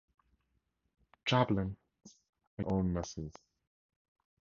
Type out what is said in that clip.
Chaplains are usually welcomed in all messes.